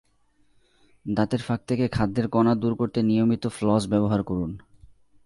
দাঁতের ফাঁক থেকে খাদ্যের কণা দূর করতে নিয়মিত ফ্লস ব্যবহার করুন।